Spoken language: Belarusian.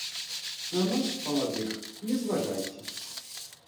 На нас, маладых, не зважайце.